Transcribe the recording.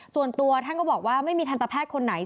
ส่วนตัวท่านก็บอกว่าไม่มีทันตแพทย์คนไหน